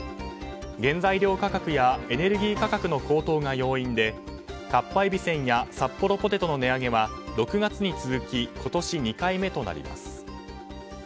原材料価格やエネルギー価格の高騰が要因でかっぱえびせんやサッポロポテトの値上げは６月に続き今年２回目となります。